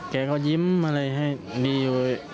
แกก็ยิ้มแบบเดียวมาให้ดีเลย